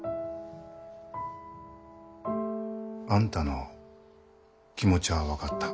あんたの気持ちゃあ分かった。